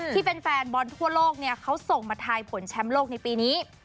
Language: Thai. แฟนบอลทั่วโลกเขาส่งมาทายผลแชมป์โลกในปีนี้